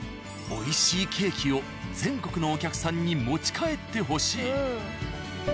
美味しいケーキを全国のお客さんに持ち帰ってほしい！